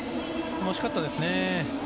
惜しかったですね。